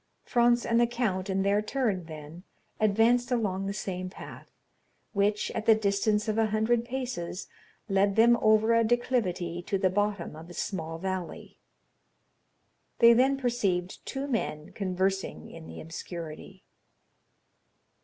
Franz and the count in their turn then advanced along the same path, which, at the distance of a hundred paces, led them over a declivity to the bottom of a small valley. They then perceived two men conversing in the obscurity.